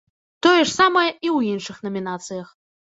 Тое ж самае і ў іншых намінацыях.